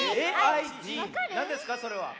なんですかそれは？